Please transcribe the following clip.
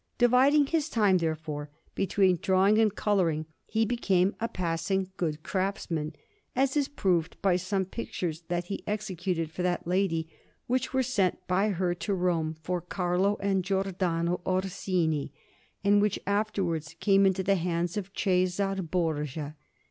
Dividing his time, therefore, between drawing and colouring, he became a passing good craftsman, as is proved by some pictures that he executed for that lady, which were sent by her to Rome, for Carlo and Giordano Orsini, and which afterwards came into the hands of Cæsar Borgia.